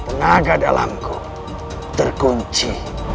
tenaga dalamku terkunci